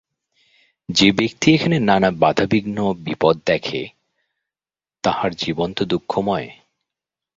যে-ব্যক্তি এখানে নানা বাধা বিঘ্ন বিপদ দেখে, তাহার জীবন তো দুঃখময়।